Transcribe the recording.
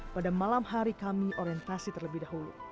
pada malam hari kami orientasi terlebih dahulu